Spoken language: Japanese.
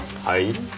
はい？